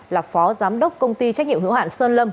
là phó giám đốc công ty trách nhiệm hữu hạn sơn lâm